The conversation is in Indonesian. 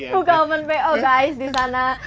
buka open po guys disana